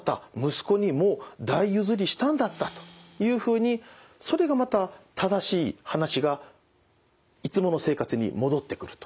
息子にもう代譲りしたんだったというふうにそれがまた正しい話がいつもの生活に戻ってくると。